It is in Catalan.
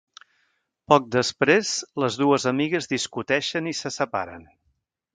Poc després les dues amigues discuteixen i se separen.